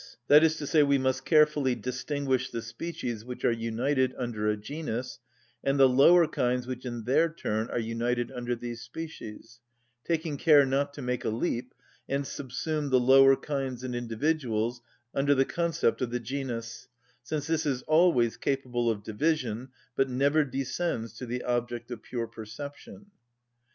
_ That is to say, we must carefully distinguish the species which are united under a genus, and the lower kinds which in their turn are united under these species; taking care not to make a leap, and subsume the lower kinds and individuals under the concept of the genus, since this is always capable of division, but never descends to the object of pure perception.